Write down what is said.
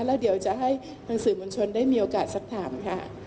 แล้วเดี๋ยวจะให้ทางสื่อมวลชนได้มีโอกาสสักถามค่ะ